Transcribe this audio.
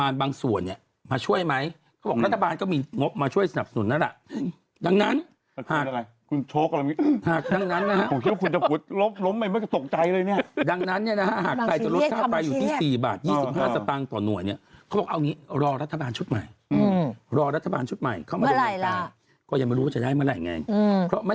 ซึ่งมันก็จะถูกลงไป